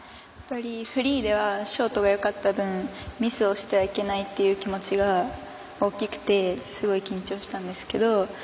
フリーではショートがよかった分ミスをしてはいけないという気持ちが大きくてすごい緊張したんですけど。